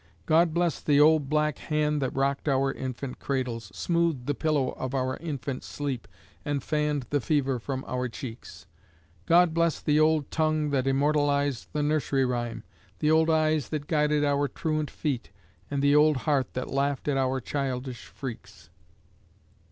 God bless the old black hand that rocked our infant cradles, smoothed the pillow of our infant sleep, and fanned the fever from our cheeks. God bless the old tongue that immortalized the nursery rhyme, the old eyes that guided our truant feet, and the old heart that laughed at our childish freaks.